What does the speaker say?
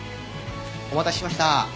お待たせしました。